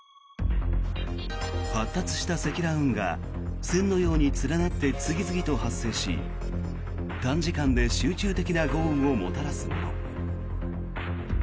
発達した積乱雲が線のように連なって次々に発生し短時間で集中的な豪雨をもたらすもの。